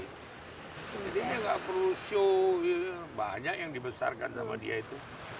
jadi dia tidak perlu show banyak yang dibesarkan sama dia itu